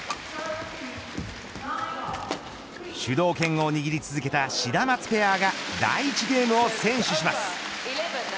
主導権を握り続けたシダマツペアが第１ゲームを先取します。